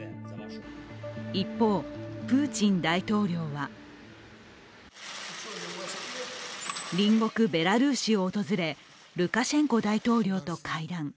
一方、プーチン大統領は隣国ベラルーシを訪れ、ルカシェンコ大統領と会談。